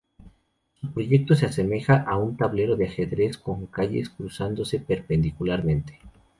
Su proyecto se asemeja a un tablero de ajedrez, con calles cruzándose perpendicularmente.